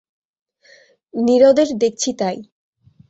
নীরদের দেখছি তাই।